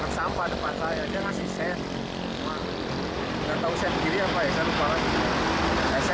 sampah depan saya dia ngasih sen